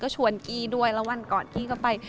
ชวนกี้ด้วยแล้ววันก่อนกี้ก็ไป